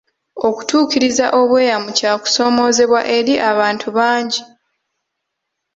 Okutuukiriza obweyamo kya kusoomoozebwa eri abantu bangi.